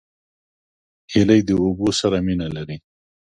هیلۍ د اوبو سره مینه لري